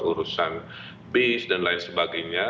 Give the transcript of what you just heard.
urusan bis dan lain sebagainya